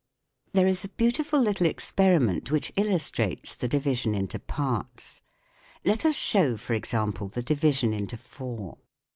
There is a beautiful little experiment which SOUND IN MUSIC 47 illustrates the division into parts. Let us show, or example, the division into four.